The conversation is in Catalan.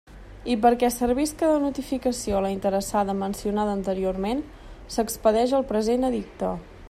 I perquè servisca de notificació a la interessada mencionada anteriorment, s'expedeix el present edicte.